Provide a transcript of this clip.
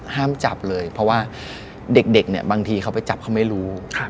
ห้ามจับเลยเพราะว่าเด็กเนี่ยบางทีเขาไปจับเขาไม่รู้